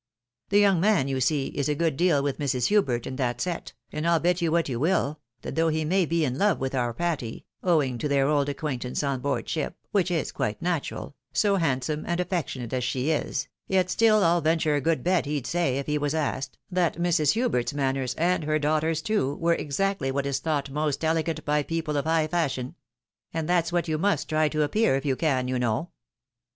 The young man, you see, is a good deal with Mrs. Hubert and that set, and I'll bet you what you will, that though he may be in love with our Patty, owing to their old acquaintance on board ship, which is quite natural, so handsome and affectionate as she is, yet stiU, I'll venture a good bet, he'd say, if he was asked, that Mrs. Hubert's manners, and her daughters' too, were ex actly what is.thought most elegant by people of high fashion ; and that's what you must try to appear, if you can, you know."